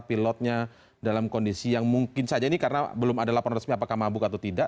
pilotnya dalam kondisi yang mungkin saja ini karena belum ada laporan resmi apakah mabuk atau tidak